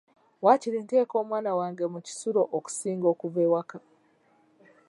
Waakiri nteeka omwana wange mu kisulo okusinga okuva ewaka.